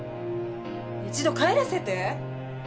一度帰らせて。